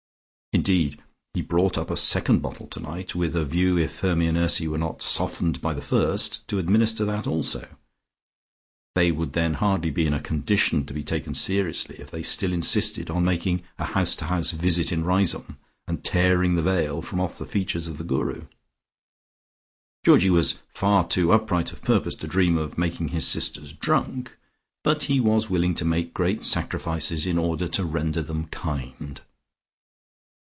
Indeed he brought up a second bottle tonight with a view if Hermy and Ursy were not softened by the first to administer that also. They would then hardly be in a condition to be taken seriously if they still insisted on making a house to house visit in Riseholme, and tearing the veil from off the features of the Guru. Georgie was far too upright of purpose to dream of making his sisters drunk, but he was willing to make great sacrifices in order to render them kind.